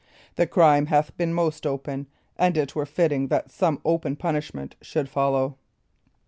The crime hath been most open, and it were fitting that some open punishment should follow."